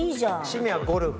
趣味はゴルフ。